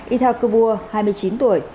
y thạc cơ bùa hai mươi chín tuổi